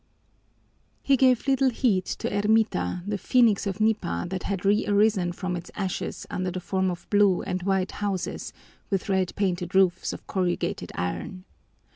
He gave little heed to Ermita, the phenix of nipa that had rearisen from its ashes under the form of blue and white houses with red painted roofs of corrugated iron.